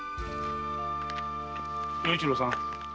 与一呂さん。